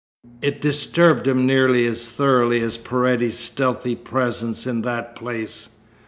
It disturbed him nearly as thoroughly as Paredes's stealthy presence in that place.